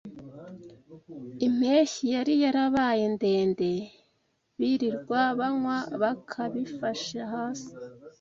impeshyi yari yabaye ndende birirwa banywa bakabifasha hasi